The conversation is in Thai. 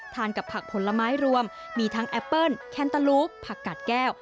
กับผักผลไม้รวมมีทั้งแอปเปิ้ลแคนเตอร์ลูปผักกัดแก้ว